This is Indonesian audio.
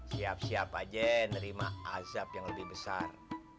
siap siap aja nerima azab yang lebih besar